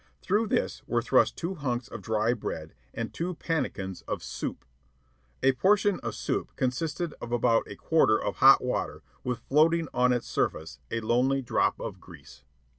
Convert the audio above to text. Through this were thrust two hunks of dry bread and two pannikins of "soup." A portion of soup consisted of about a quart of hot water with floating on its surface a lonely drop of grease.